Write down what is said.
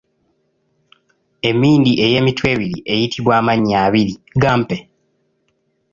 Emmindi eyeemitwe ebiri eyitibwa amannya abiri, gampe?